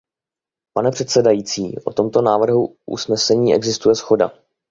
Pane předsedající, o tomto návrhu usnesení existuje shoda.